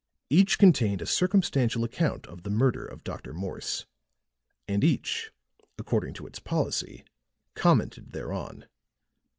Each contained a circumstantial account of the murder of Dr. Morse, and each, according to its policy, commented thereon.